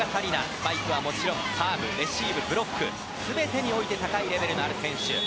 スパイクはもちろんサーブ、レシーブ、ブロック全てにおいて高いレベルの選手。